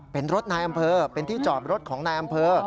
เป็นรถนายอำเภอเป็นที่จอดรถของนายอำเภอ